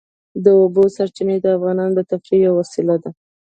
د اوبو سرچینې د افغانانو د تفریح یوه وسیله ده.